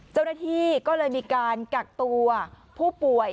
เจ้าหน้าที่ก็เลยมีการกักตัวผู้ป่วย